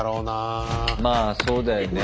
まあそうだよね。